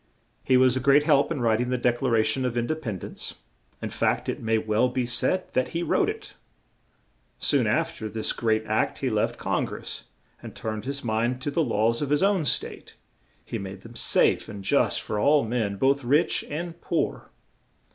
He was a great help in writ ing the Dec la ra tion of In de pend ence; in fact, it may well be said that he wrote it. Soon af ter this great act he left Con gress and turned his mind to the laws of his own State; he made them safe and just for all men, both rich and poor.